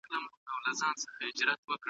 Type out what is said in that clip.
د هېواد په لوېدیځ کي فراه ولایت موقعیت لري.